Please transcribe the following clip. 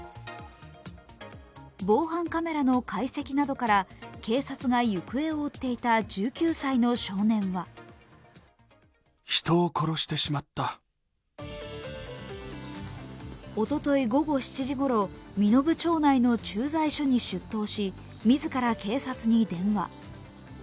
防犯カメラの解析などから警察が行方を追っていた１９歳の少年はおととい午後７時ごろ、身延町内の駐在所に出頭し、自ら警察に電話。